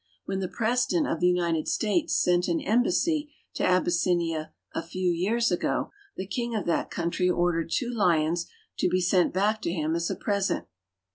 When the President of the United States sent an embassy to Abyssinia a few years ago, the king of that country ordered two lions to be sent back to him as a iresent.